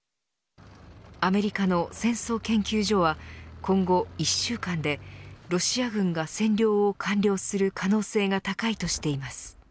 アメリカの戦争研究所は今後１週間でロシア軍が占領を完了する可能性が高いとしています。